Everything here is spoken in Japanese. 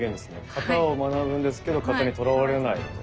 形を学ぶんですけど形にとらわれないと。